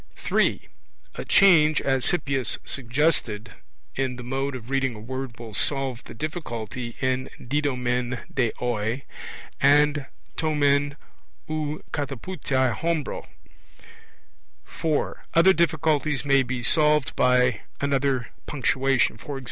(3) A change, as Hippias suggested, in the mode of reading a word will solve the difficulty in didomen de oi, and to men ou kataputhetai hombro. (4) Other difficulties may be solved by another punctuation; e.g.